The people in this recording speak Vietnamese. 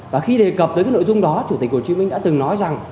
và khi đề cập tới cái nội dung đó chủ tịch hồ chí minh đã từng nói rằng